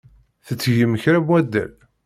Tettgem kra n waddal?